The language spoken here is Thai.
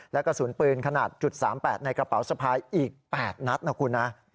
และกระสุนปืนขนาด๓๘ในกระเป๋าสะพายอีก๘นัดนะคุณนะ